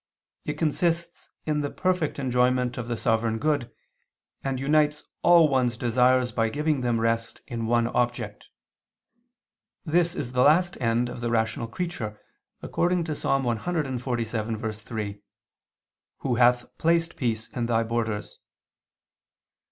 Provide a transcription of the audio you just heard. It consists in the perfect enjoyment of the sovereign good, and unites all one's desires by giving them rest in one object. This is the last end of the rational creature, according to Ps. 147:3: "Who hath placed peace in thy borders."